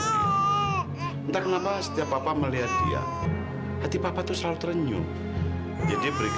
sampai jumpa di video selanjutnya